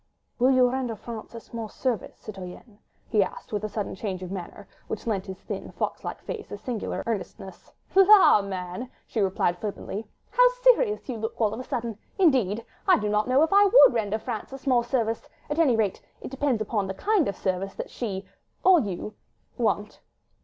"Will you render France a small service, citoyenne?" he asked, with a sudden change of manner, which lent his thin, fox like face singular earnestness. "La, man!" she replied flippantly, "how serious you look all of a sudden. ... Indeed I do not know if I would render France a small service—at any rate, it depends upon the kind of service she—or you—want."